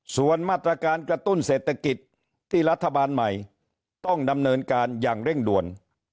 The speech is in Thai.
ส่วนมาตรการกระตุ้นเศรษฐกิจที่รัฐบาลใหม่ต้องดำเนินการอย่างเร่งด่วน